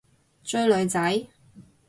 追女仔？